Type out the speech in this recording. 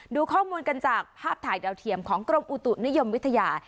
ดูข้อมูลกันจากภาพถ่ายดาวเทียมของกรมอุตุนิยมวิทยา